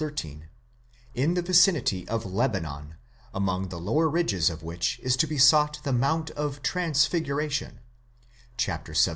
13), in the vicinity of Lebanon, among the lower ridges of which is to be sought the mount of the transfiguration (xvii.